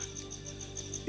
itu tandanya kau sedang ketakutan